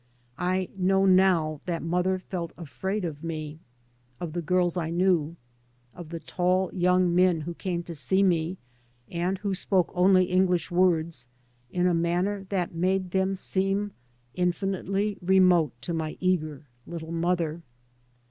I know now that mother felt afraid of me, of the girls I knew, of the tall young men who came to see me and who spoke only English words in a manner that made them seem infinitely remote to my eager little mother.